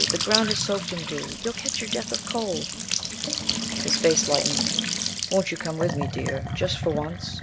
The ground is soaked in dew. You'll catch your death of cold." His face lightened. "Won't you come with me, dear, just for once?